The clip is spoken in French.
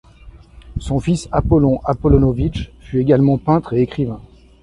Son fils Apollon Apollonovitch fut également peintre et écrivain.